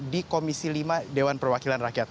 di komisi lima dewan perwakilan rakyat